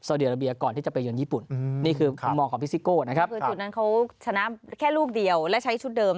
อันนั้นเฉินแค่เรื่องรูปเดียวและใช้ชุดเดิม